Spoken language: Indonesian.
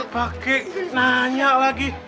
pak kek nanya lagi